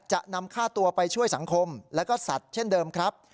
จะนำค่าตัวไปช่วยสังคมและก็สัตว์เช่นเดิมครับ